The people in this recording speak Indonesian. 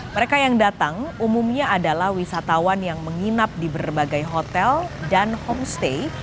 mereka yang datang umumnya adalah wisatawan yang menginap di berbagai hotel dan homestay